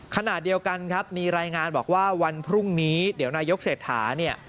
ขณะเดียวกันครับมีรายงานบอกว่าวันพรุ่งนี้เดี๋ยวนายกเศรษฐาเนี่ย